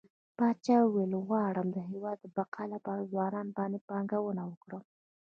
پاچا وويل غواړم د هيواد د بقا لپاره په ځوانانو باندې پانګونه وکړه.